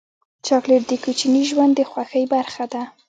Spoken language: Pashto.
چاکلېټ د کوچني ژوند د خوښۍ برخه ده.